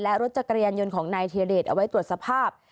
และรถจักรยานยนต์ของนายธิรเดชเอาไว้ตรวจสภาพ